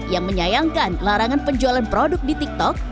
yang menyayangkan larangan penjualan produk di tiktok